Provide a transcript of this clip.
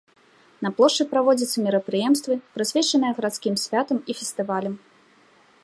На плошчы праводзяцца мерапрыемствы, прысвечаныя гарадскім святам і фестывалям.